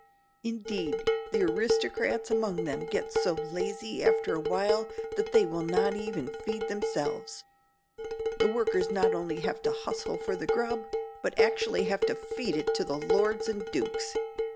Indeed, the aristocrats among them get so lazy after a while that they will not even feed themselves. The workers not only have to hustle for the grub, but actually have to feed it to the lords and dukes.